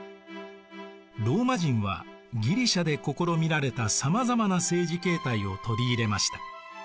ローマ人はギリシアで試みられたさまざまな政治形態を取り入れました。